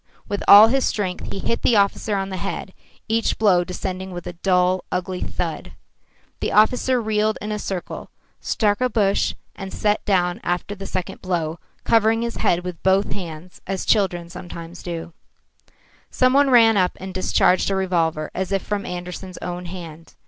With all his strength he hit the officer on the head, each blow descending with a dull, ugly thud. The officer reeled in a circle, struck a bush, and sat down after the second blow, covering his head with both hands, as children do. Some one ran up and discharged a revolver as if from Andersen's own hand.